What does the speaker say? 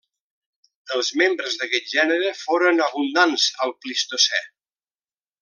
Els membres d'aquest gènere foren abundants al Plistocè.